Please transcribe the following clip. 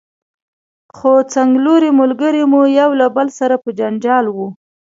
خو څنګلوري ملګري مو یو له بل سره په جنجال وو.